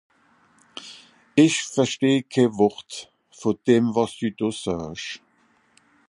Ìch versteh kenn Wort vùn dem, wàs dü do saasch.